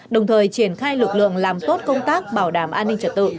đồng thời triển khai lực lượng làm tốt công tác bảo đảm an ninh trật tự